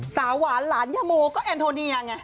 หวานหลานยาโมก็แอนโทเนียไง